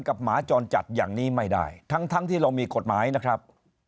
หมาจรจัดอย่างนี้ไม่ได้ทั้งทั้งที่เรามีกฎหมายนะครับ